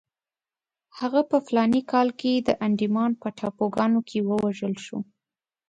هغه په فلاني کال کې د انډیمان په ټاپوګانو کې ووژل شو.